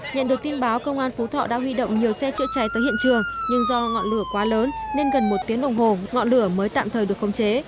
nhận được tin báo công an phú thọ đã huy động nhiều xe chữa cháy tới hiện trường nhưng do ngọn lửa quá lớn nên gần một tiếng đồng hồ ngọn lửa mới tạm thời được khống chế